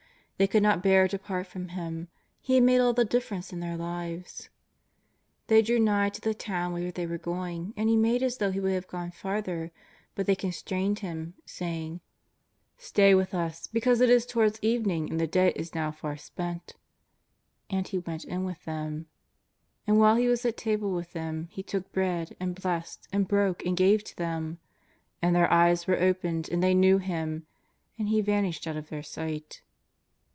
They could not bear to part from Him; He had made all the difference in their lives. They drew nigh to the town whither they were going, and He made as though He would have gone farther, but they constrained Him, saying: " Stay with us, because it is towards evening and the day is now far spent." And He went in with them. And while He was at table with them, He took bread, and blessed, and broke and gave to them. And their eyes were opened and they knew Him, and He vanished out of their sight.